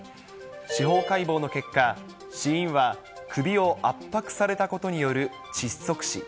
司法解剖の結果、死因は、首を圧迫されたことによる窒息死。